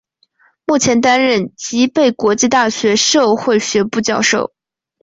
目前担任吉备国际大学社会学部教授。